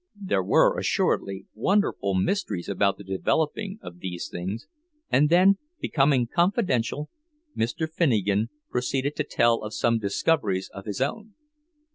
There were assuredly wonderful mysteries about the developing of these things; and then, becoming confidential, Mr. Finnegan proceeded to tell of some discoveries of his own.